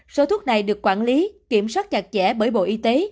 số thuốc này được quản lý kiểm soát chặt chẽ bởi bộ y tế